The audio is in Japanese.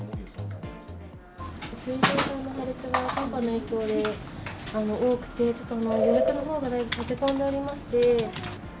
水道管の破裂が寒波の影響で多くて、ちょっともう、予約のほうがだいぶ立て込んでおりまして。